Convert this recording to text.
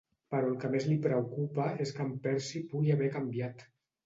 Però el que més li preocupa és que en Percy pugui haver canviat.